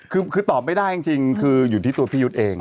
คือตอบไม่ได้จริงคืออยู่ที่ตัวพี่ยุทธ์เอง